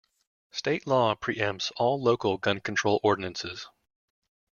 State law pre-empts all local gun control ordinances.